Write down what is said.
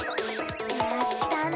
やったな！